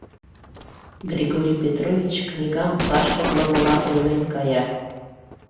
Григорий Петрович книгам лаштыклымыла ойлен кая.